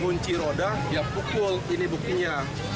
kunci roda dia pukul ini buktinya